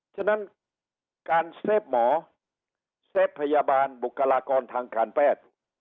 ฉะนั้นการเซฟหมอเซฟพยาบาลบุคลากรทางการแพทย์